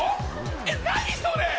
えっ何それ！？